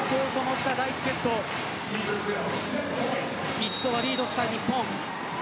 一度はリードした日本。